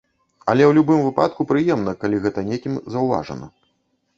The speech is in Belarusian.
Але ў любым выпадку прыемна, калі гэта некім заўважана.